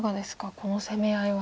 この攻め合いは。